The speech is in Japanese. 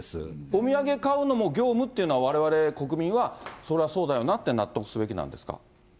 お土産買うのも業務っていうのは、われわれ国民は、そりゃそうだよなって納得すべきなんですか。